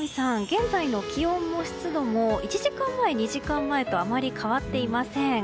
現在の気温も湿度も１時間前、２時間前とあまり変わっていません。